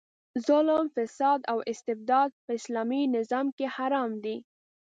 ظلم، فساد او استبداد په اسلامي نظام کې حرام دي.